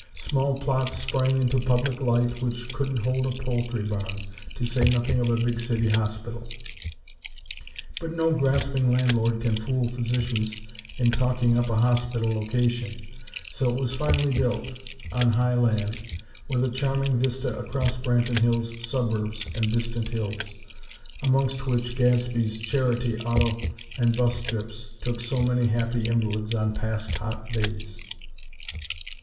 Small plots sprang into public light which couldn't hold a poultry barn, to say nothing of a big City Hospital. But no grasping landlord can fool physicians in talking up a hospital location, so it was finally built, on high land, with a charming vista across Branton Hills' suburbs and distant hills; amongst which Gadsby's charity auto and bus trips took so many happy invalids on past hot days.